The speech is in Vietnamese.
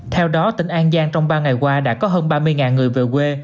theo đó tỉnh an giang trong ba ngày qua đã có hơn ba mươi người về quê